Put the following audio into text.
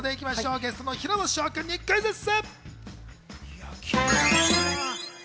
ゲストの平野紫耀君にクイズッス！